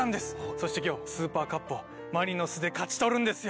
そして今日ＳＵＰＥＲＣＵＰをマリノスで勝ち取るんですよ。